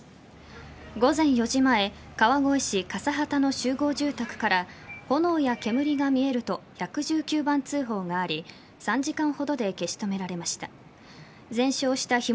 午前４時前川越市笠幡の集合住宅から炎や煙が見えると１１９番通報があり３時間ほどで消し止められました。